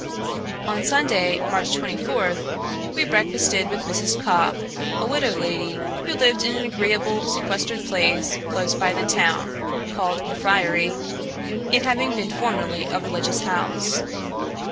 On Sunday, March 24, we breakfasted with Mrs. Cobb, a widow lady, who lived in an agreeable sequestered place close by the town, called the Friary, it having been formerly a religious house.